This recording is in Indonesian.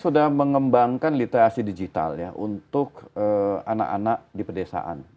sudah mengembangkan literasi digital ya untuk anak anak di pedesaan